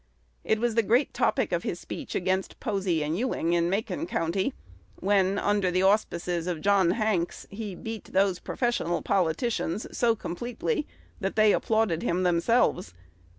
It was the great topic of his speech against Posey and Ewing in Macon County, when, under the auspices of John Hanks, he "beat" those professional politicians so completely that they applauded him themselves.